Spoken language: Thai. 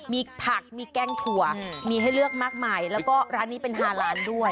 มีผักมีแกงถั่วมีให้เลือกมากมายแล้วก็ร้านนี้เป็น๕ร้านด้วย